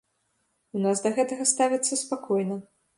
У нас да гэтага ставяцца спакойна.